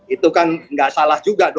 itu kan nggak salah juga dong